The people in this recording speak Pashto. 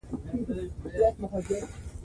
پکتیکا د افغانستان د بڼوالۍ برخه ده.